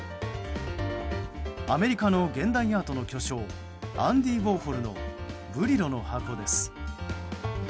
アメリカの現代アートの巨匠アンディ・ウォーホルの「ブリロの箱」です。